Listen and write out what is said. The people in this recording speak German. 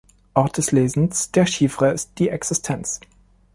Ort des Lesens der Chiffre ist die Existenz.